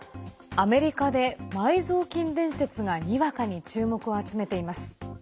アメリカで埋蔵金伝説がにわかに注目を集めています。